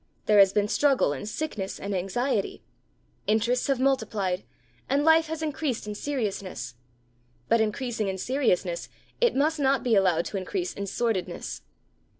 There has been struggle and sickness and anxiety. Interests have multiplied, and life has increased in seriousness. But, increasing in seriousness, it must not be allowed to increase in sordidness.